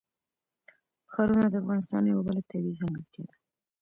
ښارونه د افغانستان یوه بله طبیعي ځانګړتیا ده.